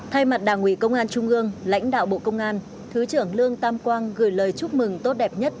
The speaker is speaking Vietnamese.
thay mặt đảng ủy công an trung ương lãnh đạo bộ công an thứ trưởng lương tam quang gửi lời chúc mừng tốt đẹp nhất